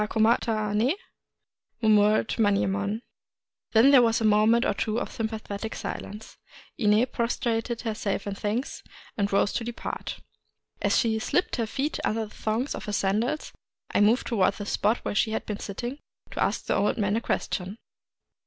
— aa homatta ne f " murmured Manyemon. Then there was a moment or two of sympathetic silence. Ine prostrated herself in thanks, and rose to de part. As she slipped her feet under the thongs of her sandals, I moved toward the spot where she had been sitting, to ask the old man a question.